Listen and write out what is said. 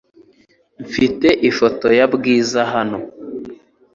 Mfite ifoto ya Bwiza hano .